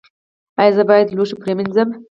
ایا زه باید لوښي پریمنځم؟